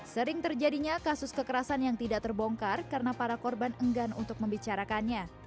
sering terjadinya kasus kekerasan yang tidak terbongkar karena para korban enggan untuk membicarakannya